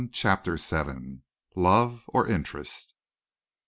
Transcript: CHAPTER VII LOVE OR INTEREST?